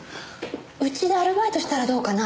うちでアルバイトしたらどうかな？